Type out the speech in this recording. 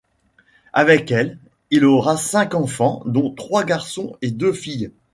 Avec elle, il aura cinq enfants dont trois garçons et deux filles.